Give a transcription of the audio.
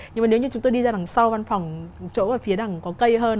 nhưng mà nếu như chúng tôi đi ra đằng sau văn phòng chỗ ở phía đằng có cây hơn